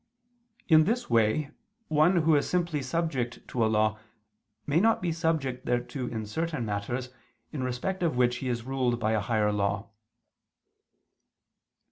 In this way, one who is simply subject to a law, may not be subject thereto in certain matters, in respect of which he is ruled by a higher law.